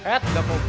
eh gak mau gue